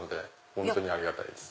本当にありがたいです。